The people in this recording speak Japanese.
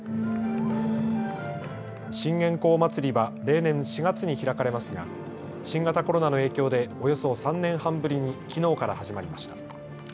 信玄公祭りは例年、４月に開かれますが新型コロナの影響でおよそ３年半ぶりに、きのうから始まりました。